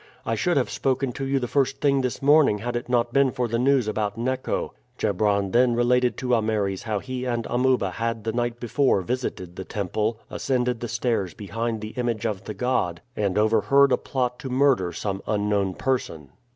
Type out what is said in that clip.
I should have spoken to you the first thing this morning had it not been for the news about Neco." Chebron then related to Ameres how he and Amuba had the night before visited the temple, ascended the stairs behind the image of the god, and overheard a plot to murder some unknown person.